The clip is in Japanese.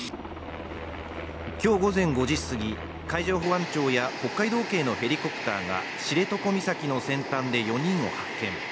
今日午前５時すぎ、海上保安庁や北海道警のヘリコプターが知床岬の先端で４人を発見。